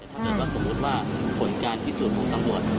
ถ้าเกิดว่าสมมุติว่าผลการที่สูดมุมตังบวช